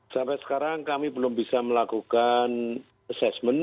sampai sekarang kami belum bisa melakukan assessment